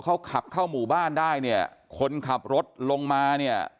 เขาขับเข้าหมู่บ้านได้เนี่ยคนขับรถลงมาเนี่ย